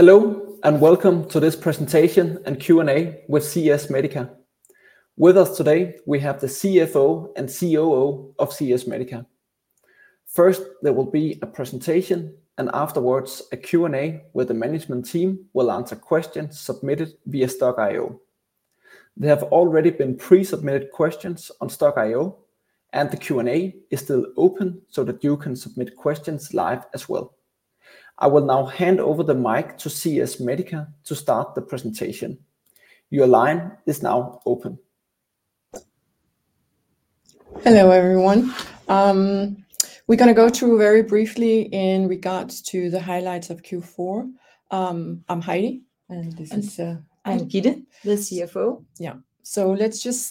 Hello, and welcome to this presentation and Q&A with CS MEDICA. With us today, we have the CFO and COO of CS MEDICA. First, there will be a presentation, and afterwards, a Q&A where the management team will answer questions submitted via Stokk.io. There have already been pre-submitted questions on Stokk.io, and the Q&A is still open so that you can submit questions live as well. I will now hand over the mic to CS MEDICA to start the presentation. Your line is now open. Hello, everyone. We're gonna go through very briefly in regards to the highlights of Q4. I'm Heidi, and this is, I'm Gitte, the CFO. Yeah. So let's just,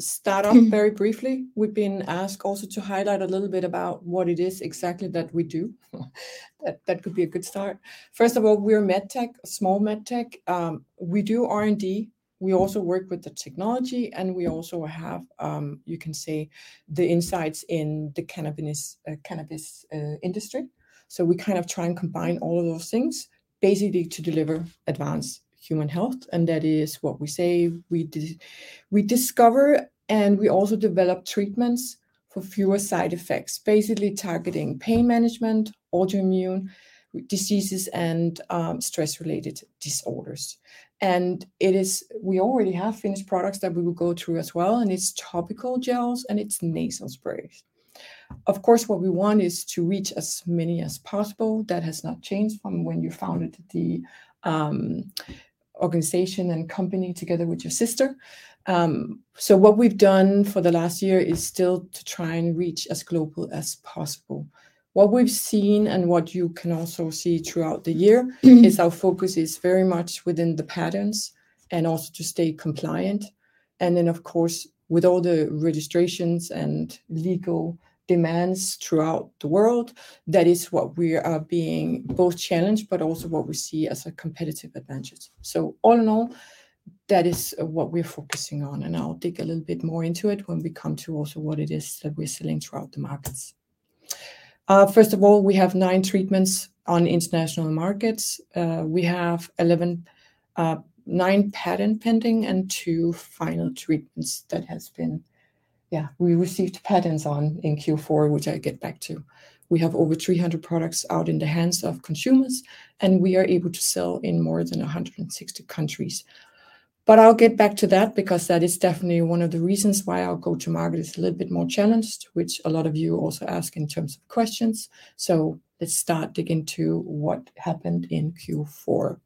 start off very briefly. We've been asked also to highlight a little bit about what it is exactly that we do. That, that could be a good start. First of all, we're MedTech, a small MedTech. We do R&D, we also work with the technology, and we also have, you can say, the insights in the cannabis industry. So we kind of try and combine all of those things, basically to deliver advanced human health, and that is what we say we discover, and we also develop treatments for fewer side effects, basically targeting pain management, autoimmune diseases, and, stress-related disorders. It is, we already have finished products that we will go through as well, and it's topical gels, and it's nasal sprays. Of course, what we want is to reach as many as possible. That has not changed from when you founded the organization and company together with your sister. So what we've done for the last year is still to try and reach as global as possible. What we've seen, and what you can also see throughout the year, is our focus is very much within the patents and also to stay compliant. And then, of course, with all the registrations and legal demands throughout the world, that is what we are being both challenged, but also what we see as a competitive advantage. So all in all, that is what we're focusing on, and I'll dig a little bit more into it when we come to also what it is that we're selling throughout the markets. First of all, we have nine treatments on international markets. We have 11-- nine patent pending and two final treatments that has been... Yeah, we received patents on in Q4, which I'll get back to. We have over 300 products out in the hands of consumers, and we are able to sell in more than 160 countries. But I'll get back to that because that is definitely one of the reasons why our go-to-market is a little bit more challenged, which a lot of you also ask in terms of questions. So let's start dig into what happened in Q4.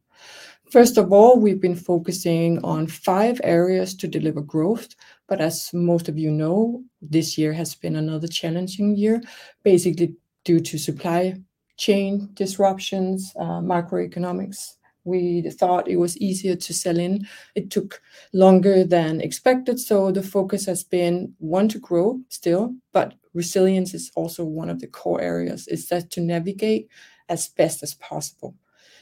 First of all, we've been focusing on five areas to deliver growth, but as most of you know, this year has been another challenging year, basically due to supply chain disruptions, macroeconomics. We thought it was easier to sell in. It took longer than expected, so the focus has been, one, to grow still, but resilience is also one of the core areas, is that to navigate as best as possible.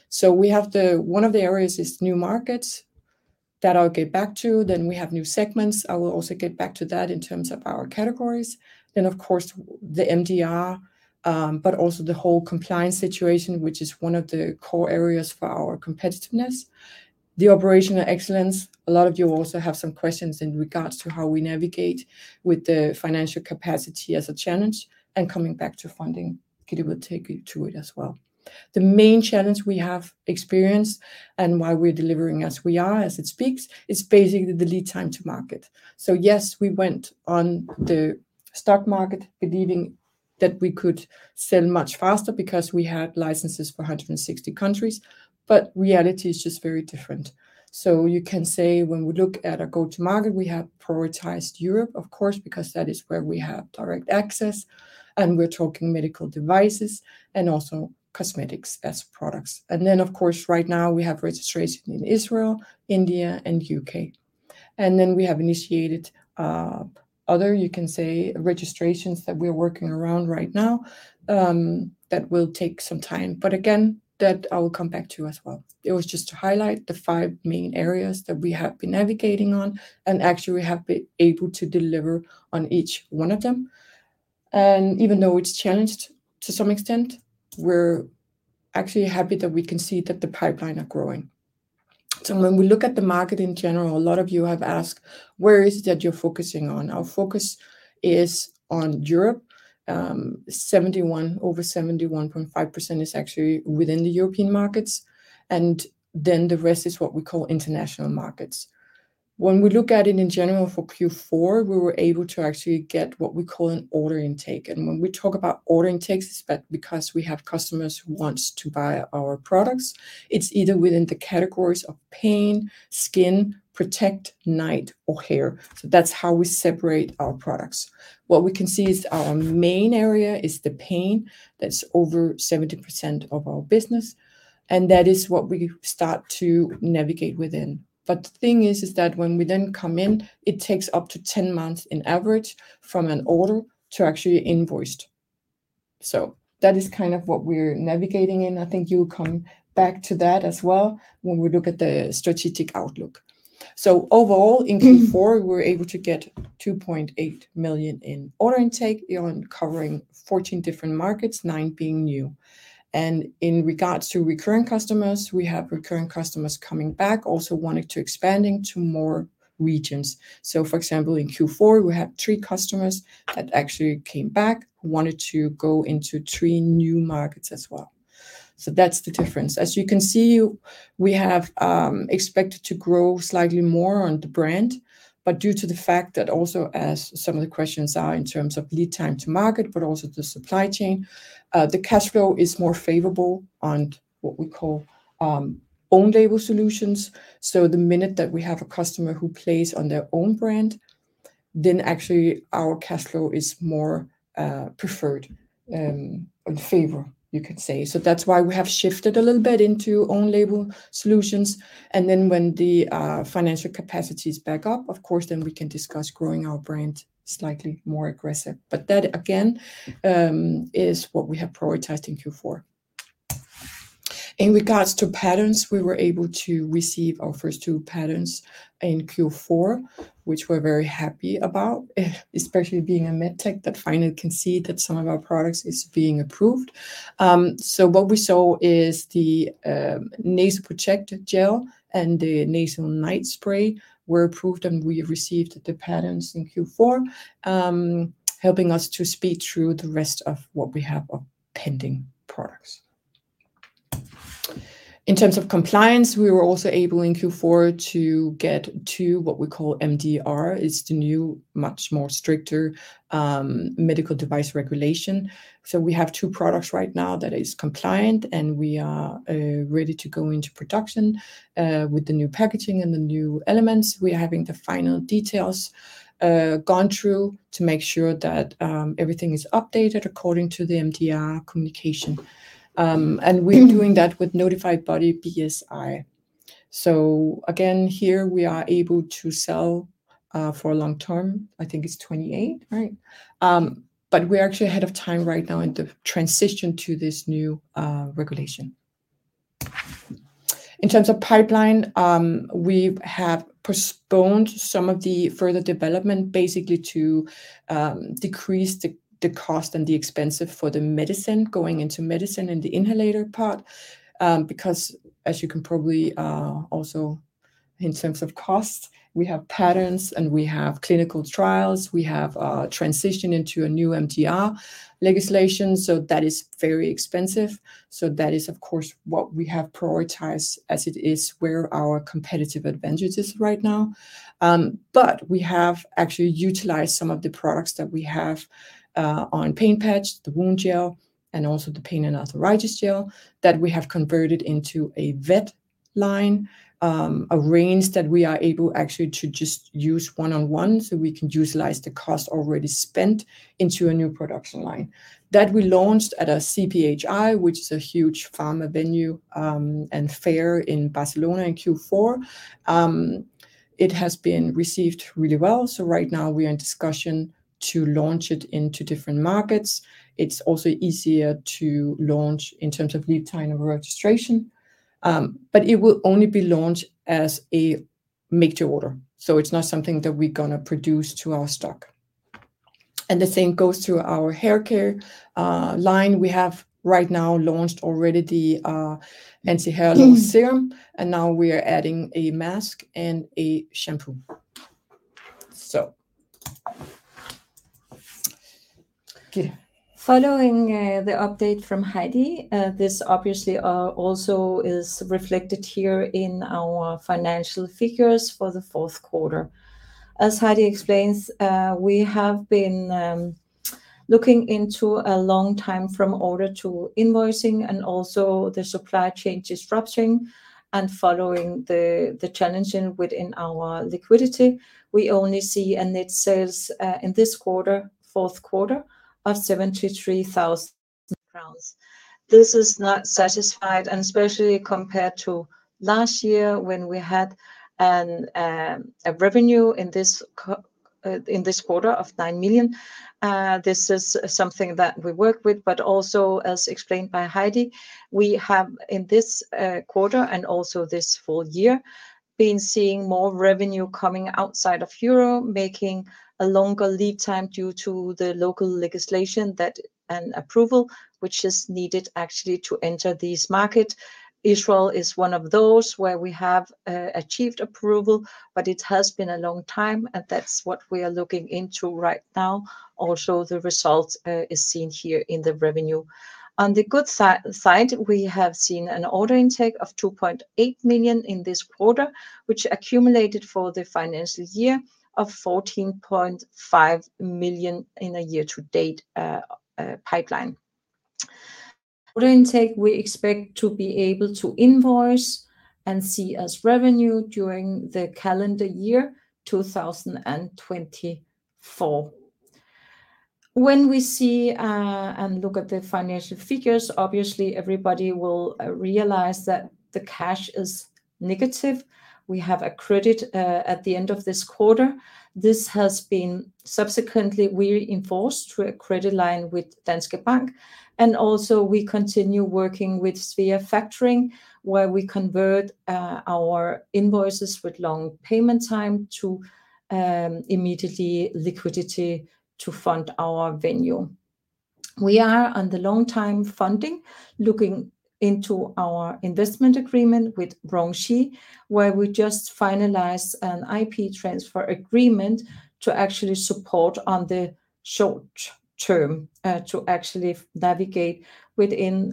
So we have the one of the areas is new markets, that I'll get back to. Then we have new segments. I will also get back to that in terms of our categories. Then, of course, the MDR, but also the whole compliance situation, which is one of the core areas for our competitiveness. The operational excellence. A lot of you also have some questions in regards to how we navigate with the financial capacity as a challenge, and coming back to funding. Gitte will take you through it as well. The main challenge we have experienced and why we're delivering as we are, as it speaks, is basically the lead time to market. So yes, we went on the stock market believing that we could sell much faster because we had licenses for 160 countries, but reality is just very different. So you can say, when we look at our go-to-market, we have prioritized Europe, of course, because that is where we have direct access, and we're talking medical devices and also cosmetics as products. And then, of course, right now, we have registration in Israel, India, and U.K. Then we have initiated other, you can say, registrations that we're working around right now, that will take some time. But again, that I will come back to you as well. It was just to highlight the five main areas that we have been navigating on, and actually we have been able to deliver on each one of them. And even though it's challenged to some extent, we're actually happy that we can see that the pipeline are growing. So when we look at the market in general, a lot of you have asked, where is it that you're focusing on? Our focus is on Europe. Over 71.5% is actually within the European markets, and then the rest is what we call international markets. When we look at it in general for Q4, we were able to actually get what we call an order intake. When we talk about order intakes, it's because we have customers who wants to buy our products. It's either within the categories of pain, skin, protect, night, or hair. So that's how we separate our products. What we can see is our main area is the pain. That's over 70% of our business, and that is what we start to navigate within. But the thing is, is that when we then come in, it takes up to 10 months in average from an order to actually invoiced. So that is kind of what we're navigating in. I think you'll come back to that as well when we look at the strategic outlook. So overall, in Q4, we were able to get 2.8 million in order intake covering 14 different markets, nine being new. And in regards to recurring customers, we have recurring customers coming back, also wanting to expanding to more regions. So for example, in Q4, we have three customers that actually came back, wanted to go into three new markets as well. So that's the difference. As you can see, we have expected to grow slightly more on the brand, but due to the fact that also as some of the questions are in terms of lead time to market, but also the supply chain, the cash flow is more favorable on what we call own label solutions. So the minute that we have a customer who plays on their own brand, then actually our cash flow is more preferred, in favor, you could say. So that's why we have shifted a little bit into own label solutions, and then when the financial capacity is back up, of course, then we can discuss growing our brand slightly more aggressive. But that, again, is what we have prioritized in Q4. In regards to patents, we were able to receive our first two patents in Q4, which we're very happy about, especially being a MedTech, that finally can see that some of our products is being approved. So what we saw is the nasal protect gel and the nasal night spray were approved, and we received the patents in Q4, helping us to speed through the rest of what we have of pending products. In terms of compliance, we were also able in Q4 to get to what we call MDR. It's the new, much more stricter medical device regulation. So we have two products right now that is compliant, and we are ready to go into production with the new packaging and the new elements. We are having the final details gone through to make sure that everything is updated according to the MDR communication. And we're doing that with notified body BSI. So again, here we are able to sell for long term, I think it's 2028, right? But we're actually ahead of time right now in the transition to this new regulation. In terms of pipeline, we have postponed some of the further development, basically to decrease the cost and the expenses for the medicine, going into medicine and the inhaler part. Because as you can probably also in terms of cost, we have patents and we have clinical trials. We have transition into a new MDR legislation, so that is very expensive. So that is, of course, what we have prioritized as it is, where our competitive advantage is right now. But we have actually utilized some of the products that we have on pain patch, the wound gel, and also the pain and arthritis gel that we have converted into a vet line, a range that we are able actually to just use one-on-one, so we can utilize the cost already spent into a new production line. That we launched at a CPhI, which is a huge pharma venue and fair in Barcelona in Q4. It has been received really well, so right now we are in discussion to launch it into different markets. It's also easier to launch in terms of lead time of registration, but it will only be launched as a make to order. So it's not something that we're gonna produce to our stock. And the same goes to our haircare line. We have right now launched already the anti-hair loss serum, and now we are adding a mask and a shampoo. So... Gitte. Following the update from Heidi, this obviously also is reflected here in our financial figures for the fourth quarter. As Heidi explains, we have been looking into a long time from order to invoicing, and also the supply chain disruption, and following the challenges within our liquidity, we only see net sales in this quarter, fourth quarter, of 73,000 crowns. This is not satisfactory, and especially compared to last year, when we had a revenue in this quarter of 9 million. This is something that we work with, but also, as explained by Heidi, we have, in this quarter and also this full year, been seeing more revenue coming outside of Europe, making a longer lead time due to the local legislation that an approval, which is needed actually to enter this market. Israel is one of those where we have achieved approval, but it has been a long time, and that's what we are looking into right now. Also, the result is seen here in the revenue. On the good side, we have seen an order intake of 2.8 million in this quarter, which accumulated for the financial year of 14.5 million in a year-to-date pipeline. Order intake, we expect to be able to invoice and see as revenue during the calendar year 2024. When we see and look at the financial figures, obviously, everybody will realize that the cash is negative. We have a credit at the end of this quarter. This has been... Subsequently, we reinforced through a credit line with Danske Bank, and also, we continue working with Svea Factoring, where we convert our invoices with long payment time to immediate liquidity to fund our venue. We are, on the long-time funding, looking into our investment agreement with RongShi, where we just finalized an IP transfer agreement to actually support on the short term, to actually navigate within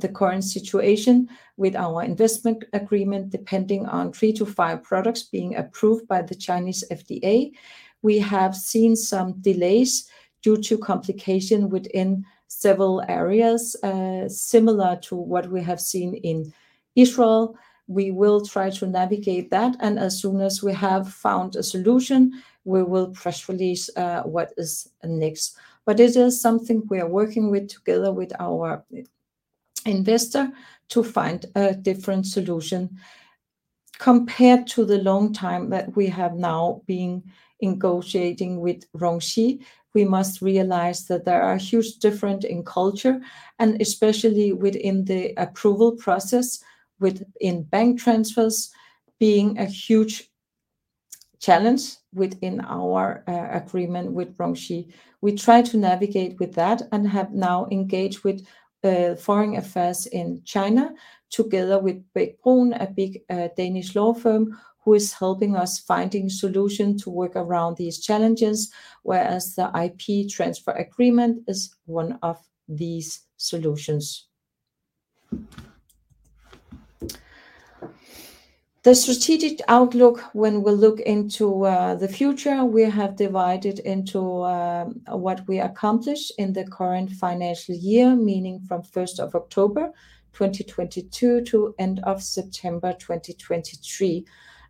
the current situation with our investment agreement, depending on three to five products being approved by the Chinese FDA. We have seen some delays due to complication within several areas, similar to what we have seen in Israel. We will try to navigate that, and as soon as we have found a solution, we will press release what is next. But this is something we are working with together with our investor to find a different solution. Compared to the long time that we have now been negotiating with RongShi, we must realize that there are huge different in culture, and especially within the approval process, within bank transfers, being a huge challenge within our agreement with RongShi. We try to navigate with that and have now engaged with foreign affairs in China, together with Bech-Bruun, a big Danish law firm, who is helping us finding solution to work around these challenges, whereas the IP transfer agreement is one of these solutions. The strategic outlook, when we look into the future, we have divided into what we accomplished in the current financial year, meaning from 1st of October 2022 to end of September 2023,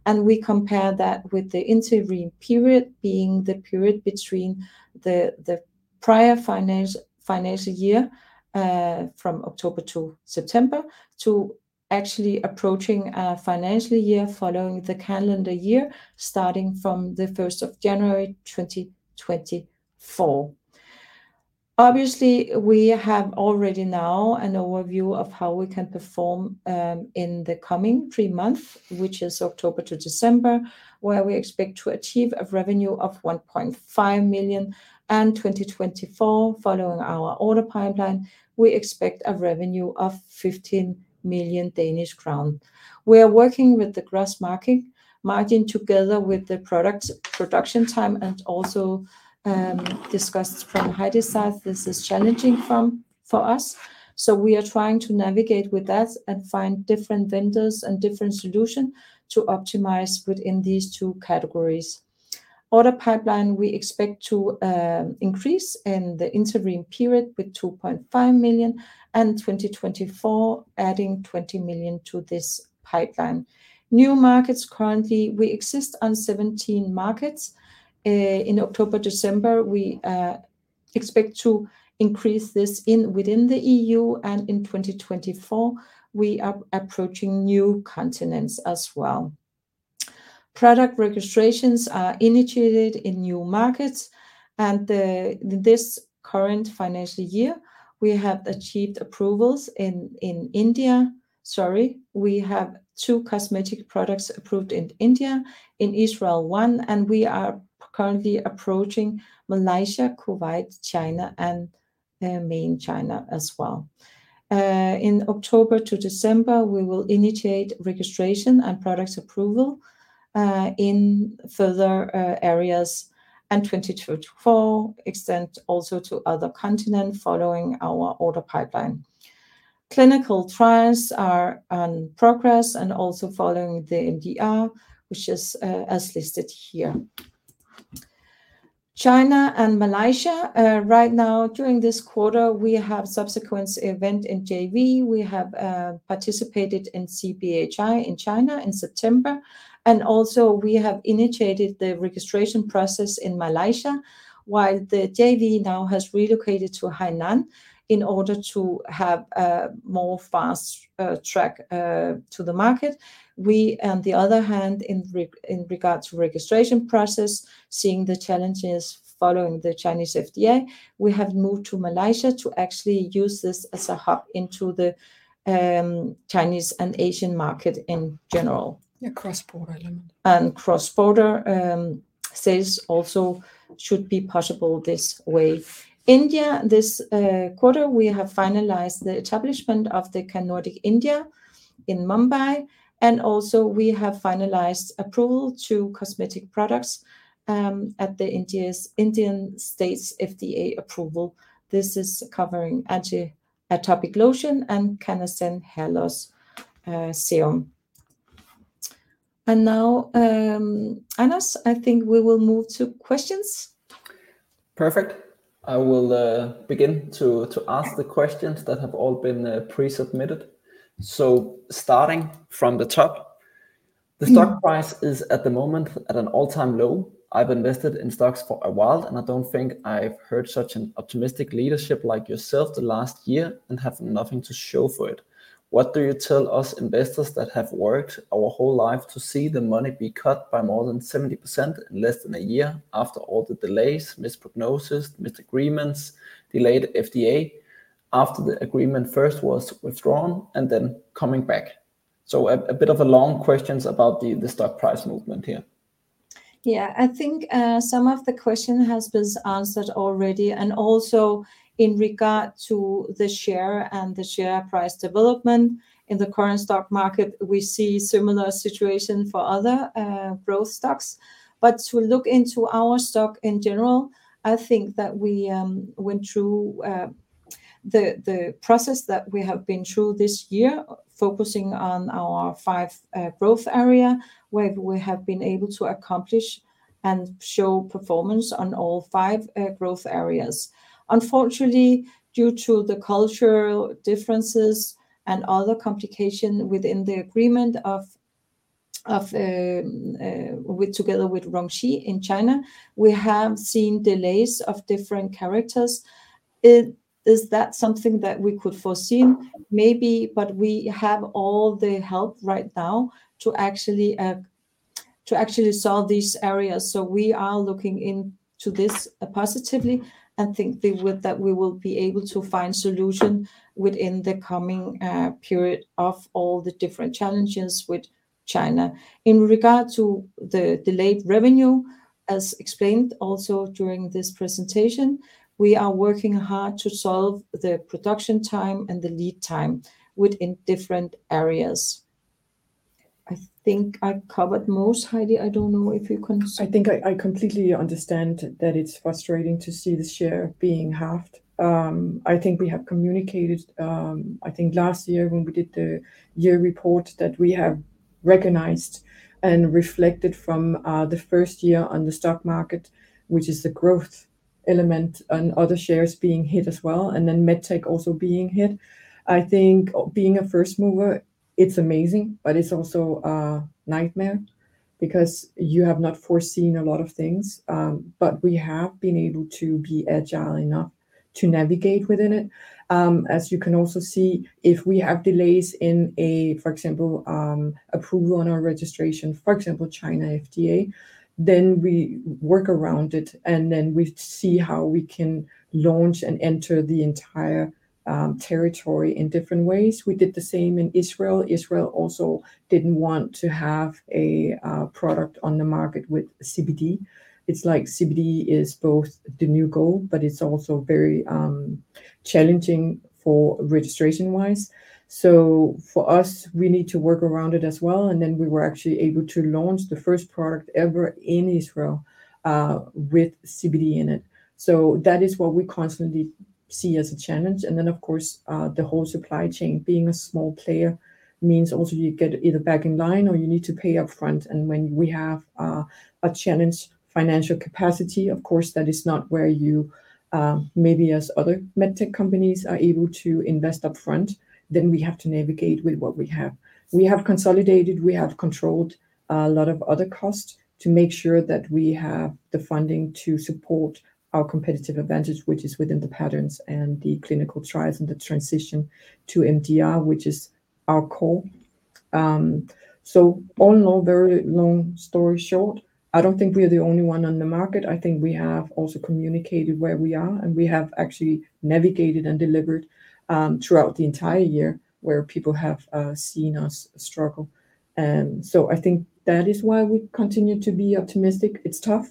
and we compare that with the interim period, being the period between the prior financial year from October to September to actually approaching a financial year following the calendar year, starting from the 1st of January 2024. Obviously, we have already now an overview of how we can perform in the coming three months, which is October to December, where we expect to achieve a revenue of 1.5 million, and 2024, following our order pipeline, we expect a revenue of 15 million Danish crown. We are working with the gross margin, together with the products production time and also discussed from Heidi's side; this is challenging for us. So we are trying to navigate with that and find different vendors and different solution to optimize within these two categories. Order pipeline, we expect to increase in the interim period with 2.5 million, and 2024, adding 20 million to this pipeline. New markets, currently, we exist on 17 markets. In October, December, we expect to increase this within the EU, and in 2024, we are approaching new continents as well. Product registrations are initiated in new markets, and this current financial year, we have achieved approvals in India... Sorry, we have two cosmetic products approved in India, in Israel, one, and we are currently approaching Malaysia, Kuwait, China, and main China as well. In October to December, we will initiate registration and products approval in further areas, and 2024, extend also to other continent, following our order pipeline. Clinical trials are on progress and also following the MDR, which is as listed here. China and Malaysia right now, during this quarter, we have subsequent event in JV. We have participated in CPhI in China in September, and also we have initiated the registration process in Malaysia, while the JV now has relocated to Hainan in order to have more fast track to the market. We, on the other hand, in regards to registration process, seeing the challenges following the Chinese FDA, we have moved to Malaysia to actually use this as a hub into the Chinese and Asian market in general. A cross-border element. Cross-border sales also should be possible this way. India, this quarter, we have finalized the establishment of the CanNordic India in Mumbai, and also we have finalized approval to cosmetic products at the Indian state's FDA approval. This is covering Anti-Atopic Lotion and Cannasen Hair Loss Serum. Now, Anders, I think we will move to questions. Perfect. I will begin to ask the questions that have all been pre-submitted. So starting from the top, "The stock price is, at the moment, at an all-time low. I've invested in stocks for a while, and I don't think I've heard such an optimistic leadership like yourself the last year and have nothing to show for it. What do you tell us investors that have worked our whole life to see the money be cut by more than 70% in less than a year after all the delays, misprognoses, missed agreements, delayed FDA, after the agreement first was withdrawn and then coming back?" So a bit of a long questions about the stock price movement here. Yeah. I think some of the question has been answered already, and also in regard to the share and the share price development. In the current stock market, we see similar situation for other growth stocks. But to look into our stock in general, I think that we went through the process that we have been through this year, focusing on our five growth area, where we have been able to accomplish and show performance on all five growth areas. Unfortunately, due to the cultural differences and other complication within the agreement with RongShi in China, we have seen delays of different characters. Is that something that we could foreseen? Maybe, but we have all the help right now to actually solve these areas. So we are looking into this positively and think that we will be able to find solution within the coming period of all the different challenges with China. In regard to the delayed revenue, as explained also during this presentation, we are working hard to solve the production time and the lead time within different areas. I think I covered most, Heidi. I don't know if you can- I think I completely understand that it's frustrating to see the share being halved. I think we have communicated, I think last year when we did the year report, that we have recognized and reflected from the first year on the stock market, which is the growth element, and other shares being hit as well, and then MedTech also being hit. I think being a first mover, it's amazing, but it's also a nightmare because you have not foreseen a lot of things. But we have been able to be agile enough to navigate within it. As you can also see, if we have delays in, for example, approval on our registration, for example, China FDA, then we work around it, and then we see how we can launch and enter the entire territory in different ways. We did the same in Israel. Israel also didn't want to have a product on the market with CBD. It's like CBD is both the new goal, but it's also very challenging for registration-wise. So for us, we need to work around it as well, and then we were actually able to launch the first product ever in Israel with CBD in it. So that is what we constantly see as a challenge. And then, of course, the whole supply chain. Being a small player means also you get either back in line or you need to pay upfront, and when we have a challenged financial capacity, of course, that is not where you maybe as other MedTech companies are able to invest upfront, then we have to navigate with what we have. We have consolidated. We have controlled a lot of other costs to make sure that we have the funding to support our competitive advantage, which is within the patents and the clinical trials and the transition to MDR, which is our core. So all in all, very long story short, I don't think we are the only one on the market. I think we have also communicated where we are, and we have actually navigated and delivered throughout the entire year, where people have seen us struggle. So I think that is why we continue to be optimistic. It's tough,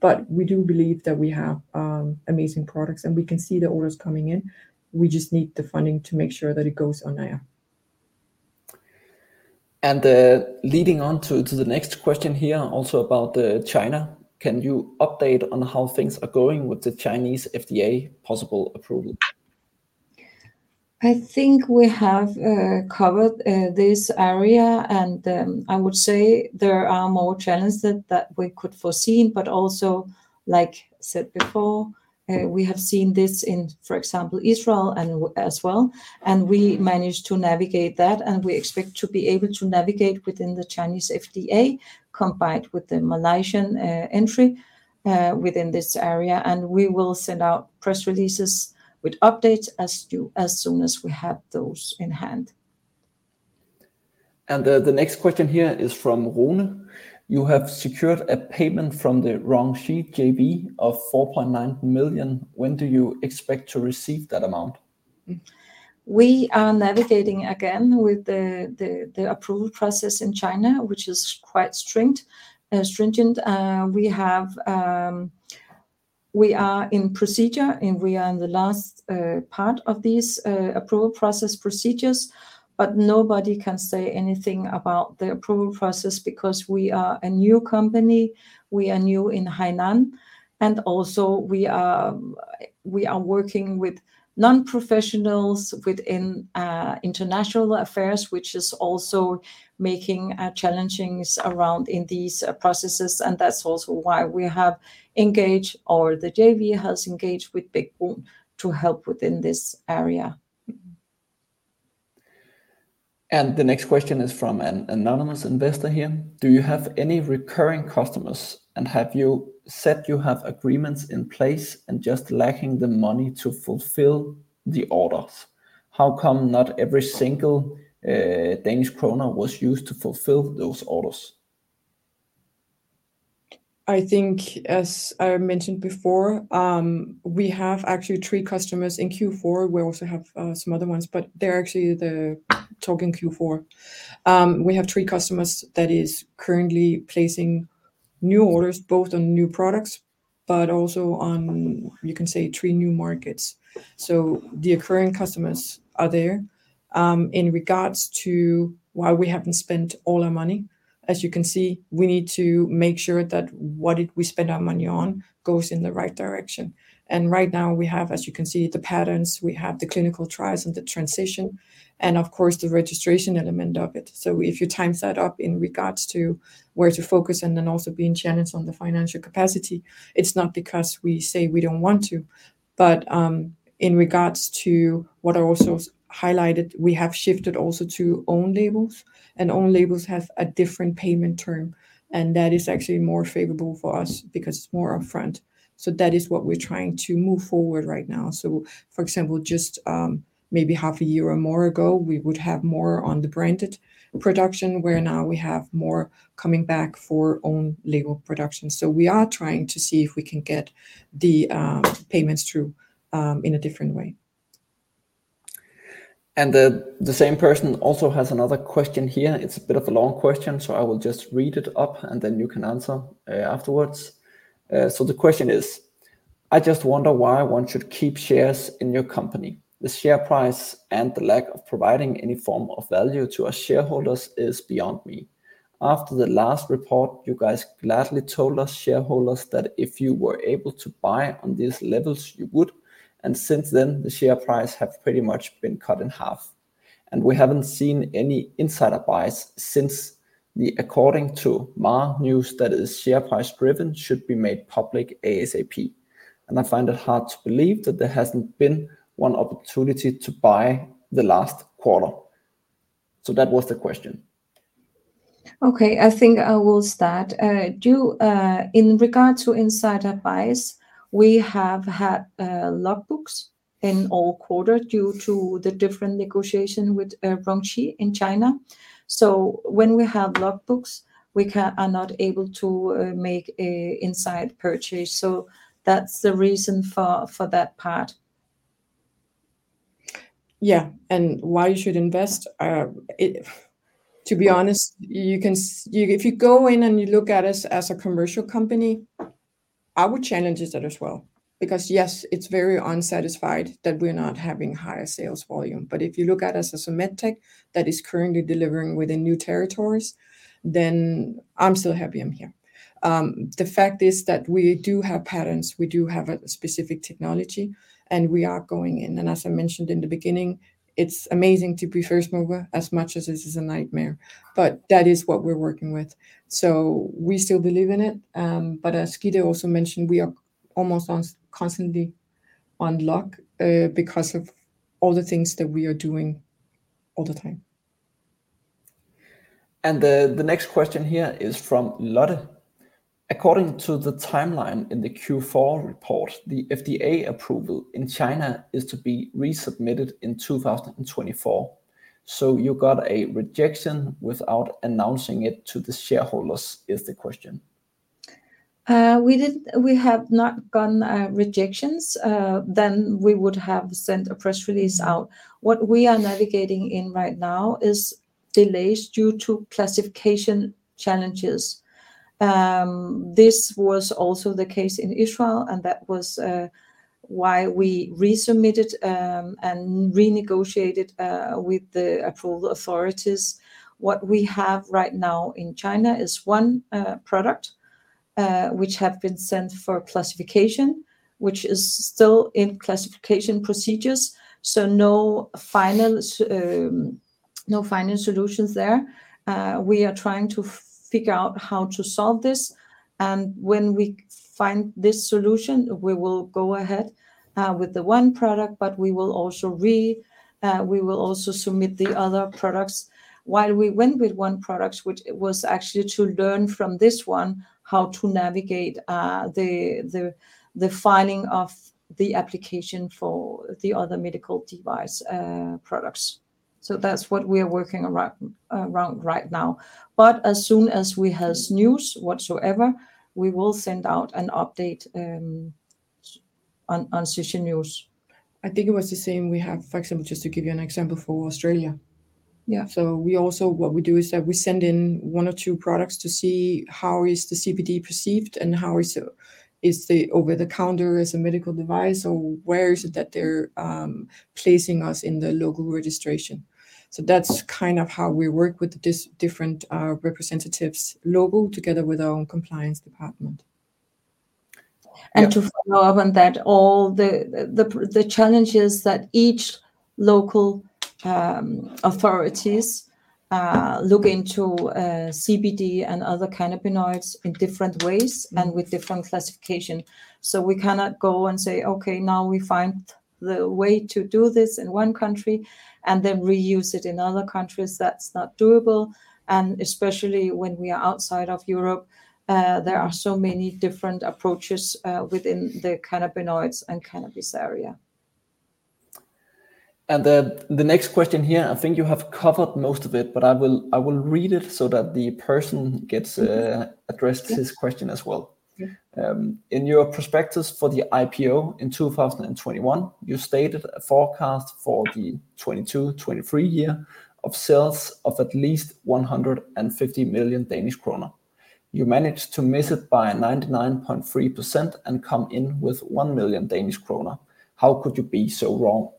but we do believe that we have amazing products, and we can see the orders coming in. We just need the funding to make sure that it goes on air.... leading on to the next question here, also about China, can you update on how things are going with the Chinese FDA possible approval? I think we have covered this area, and I would say there are more challenges that we could foresee, but also, like I said before, we have seen this in, for example, Israel and as well, and we managed to navigate that, and we expect to be able to navigate within the Chinese FDA, combined with the Malaysian entry within this area. And we will send out press releases with updates as soon as we have those in hand. The next question here is from Rune: You have secured a payment from the RongShi JV of 4.9 million. When do you expect to receive that amount? We are navigating again with the approval process in China, which is quite strict, stringent. We have, we are in procedure, and we are in the last part of this approval process procedures, but nobody can say anything about the approval process because we are a new company. We are new in Hainan, and also we are working with non-professionals within international affairs, which is also making challenges around in these processes, and that's also why we have engaged, or the JV has engaged with Bech-Bruun to help within this area. The next question is from an anonymous investor here: Do you have any recurring customers, and have you said you have agreements in place and just lacking the money to fulfill the orders? How come not every single Danish kroner was used to fulfill those orders? I think, as I mentioned before, we have actually three customers in Q4. We also have some other ones, but they're actually the talk in Q4. We have three customers that is currently placing new orders, both on new products, but also on, you can say, three new markets. So the recurring customers are there. In regards to why we haven't spent all our money, as you can see, we need to make sure that what we spend our money on goes in the right direction. And right now, we have, as you can see, the patents, we have the clinical trials and the transition, and of course, the registration element of it. So if you time set up in regards to where to focus and then also being challenged on the financial capacity, it's not because we say we don't want to, but, in regards to what I also highlighted, we have shifted also to own labels, and own labels have a different payment term, and that is actually more favorable for us because it's more upfront. So that is what we're trying to move forward right now. So for example, just, maybe half a year or more ago, we would have more on the branded production, where now we have more coming back for own label production. So we are trying to see if we can get the, payments through, in a different way. The same person also has another question here. It's a bit of a long question, so I will just read it up, and then you can answer, afterwards. So the question is: I just wonder why one should keep shares in your company. The share price and the lack of providing any form of value to our shareholders is beyond me. After the last report, you guys gladly told us shareholders that if you were able to buy on these levels, you would, and since then, the share price have pretty much been cut in half, and we haven't seen any insider buys since the according to MAR news that is share price-driven should be made public ASAP. And I find it hard to believe that there hasn't been one opportunity to buy the last quarter. So that was the question. Okay, I think I will start. In regard to insider buys, we have had logbooks in all quarter due to the different negotiation with RongShi in China. So when we have logbooks, we are not able to make an insider purchase, so that's the reason for that part. Yeah, and why you should invest? To be honest, if you go in and you look at us as a commercial company, I would challenge that as well, because, yes, it's very unsatisfied that we're not having higher sales volume, but if you look at us as a MedTech that is currently delivering within new territories, then I'm still happy I'm here. The fact is that we do have patents, we do have a specific technology, and we are going in. And as I mentioned in the beginning, it's amazing to be first mover as much as this is a nightmare, but that is what we're working with. So we still believe in it, but as Gitte also mentioned, we are almost constantly on lock, because of all the things that we are doing all the time. The next question here is from Lotte: According to the timeline in the Q4 report, the FDA approval in China is to be resubmitted in 2024. So you got a rejection without announcing it to the shareholders, is the question. We have not gotten rejections, then we would have sent a press release out. What we are navigating in right now is delays due to classification challenges. This was also the case in Israel, and that was why we resubmitted and renegotiated with the approval authorities. What we have right now in China is one product which have been sent for classification, which is still in classification procedures. So no final solutions there. We are trying to figure out how to solve this, and when we find this solution, we will go ahead with the one product, but we will also submit the other products. While we went with one product, which was actually to learn from this one, how to navigate the filing of the application for the other medical device products. So that's what we are working around right now. But as soon as we has news whatsoever, we will send out an update on CS news. I think it was the same. We have, for example, just to give you an example for Australia. Yeah. So we also what we do is that we send in one or two products to see how the CBD is perceived, and how is the over-the-counter as a medical device, or where is it that they're placing us in the local registration. So that's kind of how we work with the different local representatives together with our own compliance department. And to follow up on that, all the challenge is that each local authorities look into CBD and other cannabinoids in different ways and with different classification. So we cannot go and say, "Okay, now we find the way to do this in one country, and then reuse it in other countries." That's not doable, and especially when we are outside of Europe, there are so many different approaches within the cannabinoids and cannabis area. And the next question here, I think you have covered most of it, but I will read it so that the person gets. Mm. addressed this question as well. Yeah. In your prospectus for the IPO in 2021, you stated a forecast for the 2022-2023 year of sales of at least 150 million Danish kroner. You managed to miss it by 99.3% and come in with 1 million Danish kroner. How could you be so wrong?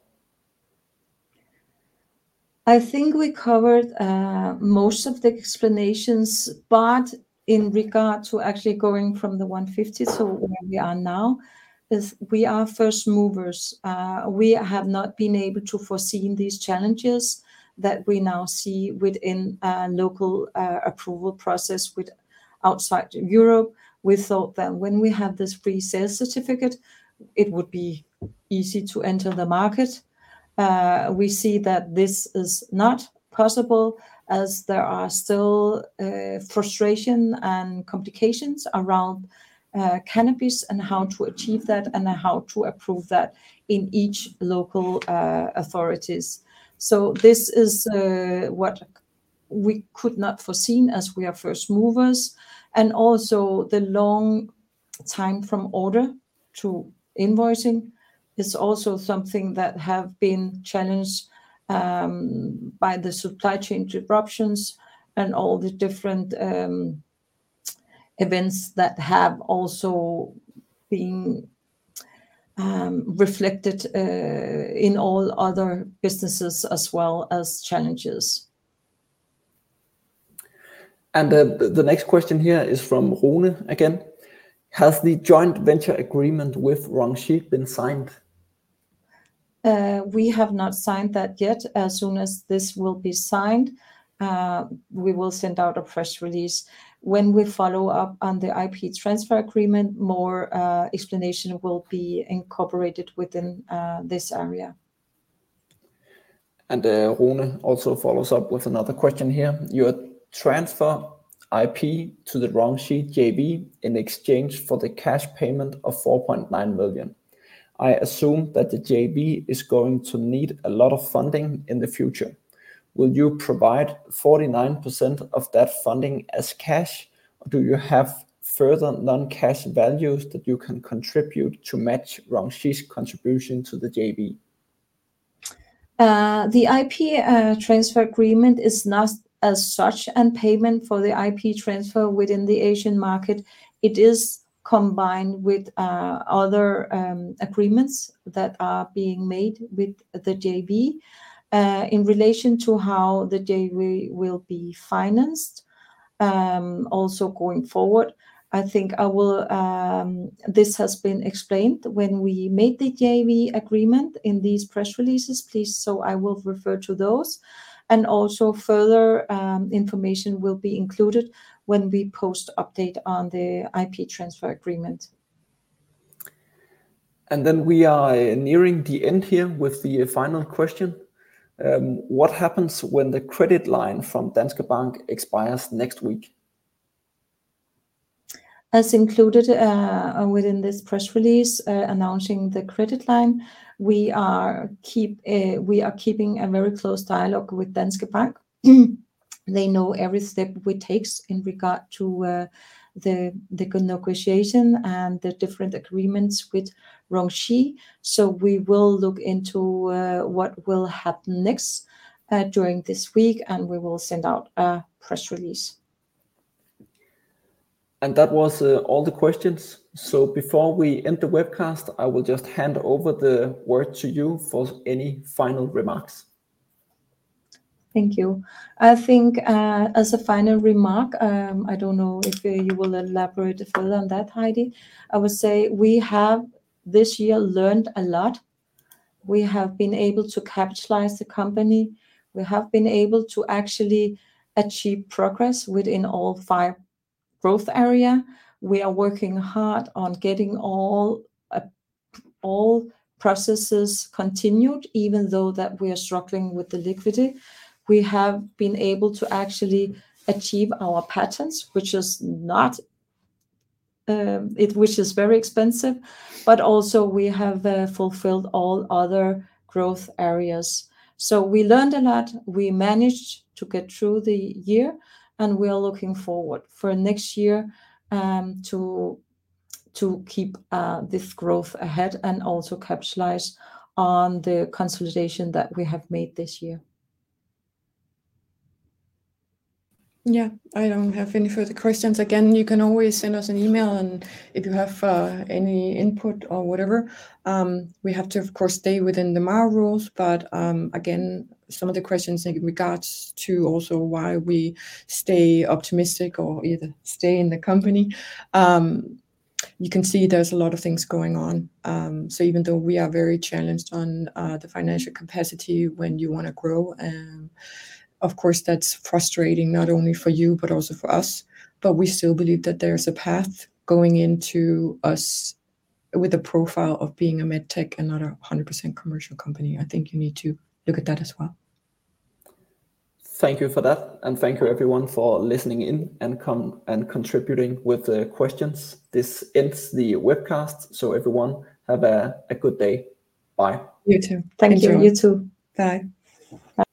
I think we covered most of the explanations, but in regard to actually going from the 150, so where we are now, is we are first movers. We have not been able to foreseen these challenges that we now see within local approval process with outside Europe. We thought that when we have this Free Sale Certificate, it would be easy to enter the market. We see that this is not possible, as there are still frustration and complications around cannabis and how to achieve that and how to approve that in each local authorities. So this is what we could not foreseen as we are first movers, and also the long time from order to invoicing is also something that have been challenged by the supply chain disruptions and all the different events that have also been reflected in all other businesses as well as challenges. The next question here is from Rune again. Has the joint venture agreement with RongShi been signed? We have not signed that yet. As soon as this will be signed, we will send out a press release. When we follow up on the IP transfer agreement, more explanation will be incorporated within this area. Rune also follows up with another question here. You transfer IP to the RongShi JV in exchange for the cash payment of 4.9 million. I assume that the JV is going to need a lot of funding in the future. Will you provide 49% of that funding as cash, or do you have further non-cash values that you can contribute to match RongShi's contribution to the JV? The IP transfer agreement is not as such, and payment for the IP transfer within the Asian market, it is combined with other agreements that are being made with the JV in relation to how the JV will be financed. Also going forward, this has been explained when we made the JV agreement in these press releases, please, so I will refer to those. Also, further information will be included when we post update on the IP transfer agreement. We are nearing the end here with the final question. What happens when the credit line from Danske Bank expires next week? As included within this press release announcing the credit line, we are keeping a very close dialogue with Danske Bank. They know every step we take in regard to the negotiation and the different agreements with RongShi. So we will look into what will happen next during this week, and we will send out a press release. That was all the questions. Before we end the webcast, I will just hand over the word to you for any final remarks. ... Thank you. I think, as a final remark, I don't know if you will elaborate further on that, Heidi. I would say we have, this year, learned a lot. We have been able to capitalize the company. We have been able to actually achieve progress within all five growth area. We are working hard on getting all processes continued, even though that we are struggling with the liquidity. We have been able to actually achieve our patents, which is very expensive, but also we have fulfilled all other growth areas. So we learned a lot. We managed to get through the year, and we are looking forward for next year, to keep this growth ahead and also capitalize on the consolidation that we have made this year. Yeah, I don't have any further questions. Again, you can always send us an email, and if you have any input or whatever, we have to, of course, stay within the MAR rules. But again, some of the questions in regards to also why we stay optimistic or either stay in the company, you can see there's a lot of things going on. So even though we are very challenged on the financial capacity when you wanna grow, of course, that's frustrating, not only for you, but also for us. But we still believe that there's a path going into us with a profile of being a MedTech and not a 100% commercial company. I think you need to look at that as well. Thank you for that, and thank you everyone for listening in and contributing with the questions. This ends the webcast, so everyone, have a good day. Bye. You too. Thank you. Thank you. You too. Bye. Bye.